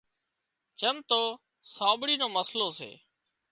چم تو سانٻڙِي نو مسئلو سي